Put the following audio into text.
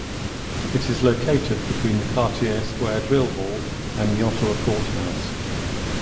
It is located between the Cartier Square Drill Hall and the Ottawa Court House.